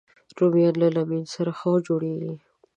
رومیان له لیمن سره ښه جوړېږي